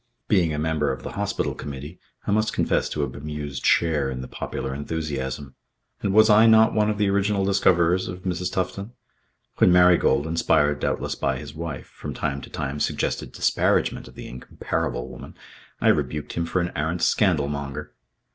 Being a member of the Hospital Committee, I must confess to a bemused share in the popular enthusiasm. And was I not one of the original discoverers of Mrs. Tufton? When Marigold, inspired doubtless by his wife, from time to time suggested disparagement of the incomparable woman, I rebuked him for an arrant scandal monger.